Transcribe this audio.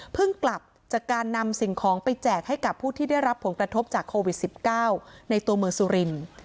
กลับจากการนำสิ่งของไปแจกให้กับผู้ที่ได้รับผลกระทบจากโควิด๑๙ในตัวเมืองสุรินทร์